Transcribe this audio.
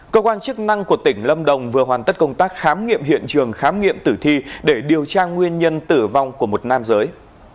cơ quan chức năng của tỉnh lâm đồng vừa hoàn tất công tác khám nghiệm hiện trường khám nghiệm tử thi để điều tra nguyên nhân tử vong của một nam giới